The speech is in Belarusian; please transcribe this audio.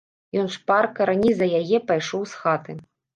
Ён шпарка, раней за яе, пайшоў з хаты.